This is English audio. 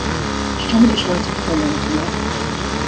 She told me that she wanted to perform no matter what.